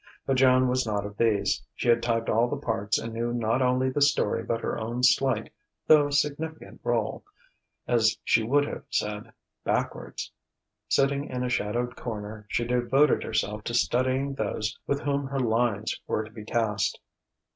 But Joan was not of these; she had typed all the parts and knew not only the story but her own slight though significant rôle (as she would have said) "backwards." Sitting in a shadowed corner, she devoted herself to studying those with whom her lines were to be cast.